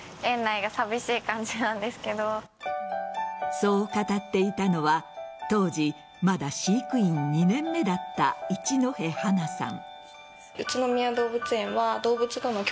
そう語っていたのは当時、まだ飼育員２年目だった一戸華さん。